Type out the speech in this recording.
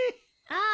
ああ。